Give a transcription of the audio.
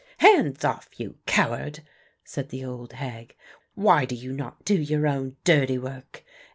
"Hands off, you coward," said the old hag. "Why do you not do your own dirty work?